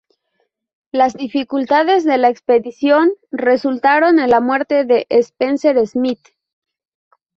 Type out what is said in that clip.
Las dificultades de la expedición resultaron en la muerte de Spencer-Smith.